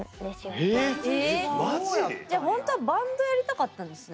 ええ！じゃあほんとはバンドやりたかったんですね？